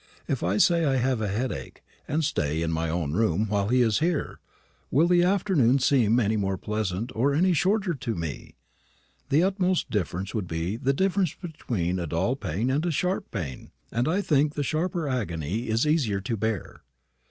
If I say I have a headache, and stay in my own room while he is here, will the afternoon seem any more pleasant or any shorter to me? The utmost difference would be the difference between a dull pain and a sharp pain; and I think the sharper agony is easier to bear."